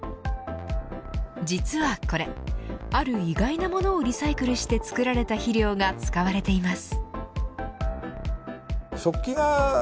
実はこれある意外なものをリサイクルして作られた肥料が使われています。